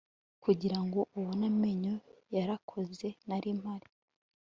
Kugirango ubone amenyo Yarakoze nari mpari